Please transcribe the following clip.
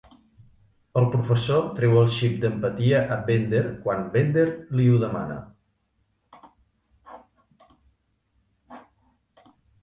El professor treu el xip d'empatia a Bender quan Bender li ho demana.